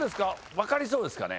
分かりそうですかね。